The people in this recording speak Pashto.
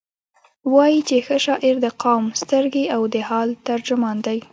وایي چې ښه شاعر د قوم سترګې او د حال ترجمان دی.